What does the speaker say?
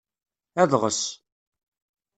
Adɣes.